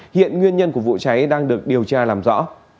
hiện nguyên nhân của vụ cháy đang được điều tra làm rõ